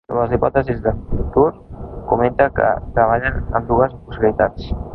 Sobre les hipòtesis de futur, comenta que treballen amb dues possibilitats.